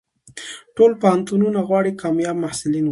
ټول پوهنتونونه غواړي کامیاب محصلین ولري.